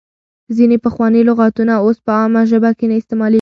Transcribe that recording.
ځینې پخواني لغاتونه اوس په عامه ژبه کې نه استعمالېږي.